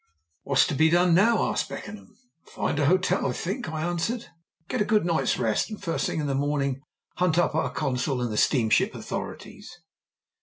"What's to be done now?" asked Beckenham. "Find an hotel, I think," I answered; "get a good night's rest, and first thing in the morning hunt up our consul and the steamship authorities."